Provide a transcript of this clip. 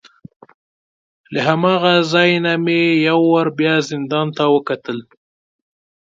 له هماغه ځای نه مې یو وار بیا زندان ته وکتل.